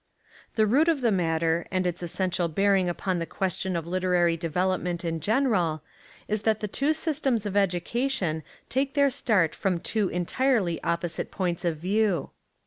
The root of the matter and its essential bear ing upon the question of literary development in general is that the two systems of education take their start from two entirely opposite points of view.